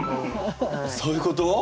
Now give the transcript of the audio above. そういうこと！？